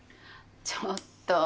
ちょっと。